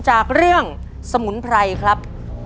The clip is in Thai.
จากเรื่องสมุนไพรครับ